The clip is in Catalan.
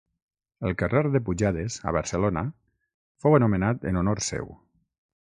El carrer de Pujades, a Barcelona, fou anomenat en honor seu.